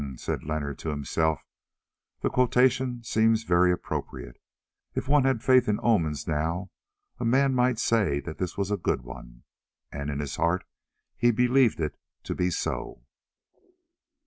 "Hum!" said Leonard to himself, "the quotation seems very appropriate. If one had faith in omens now, a man might say that this was a good one." And in his heart he believed it to be so.